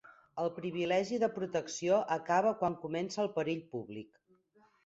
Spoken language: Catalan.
El privilegi de protecció acaba quan comença el perill públic.